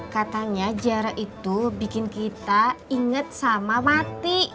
katanya jarak itu bikin kita inget sama mati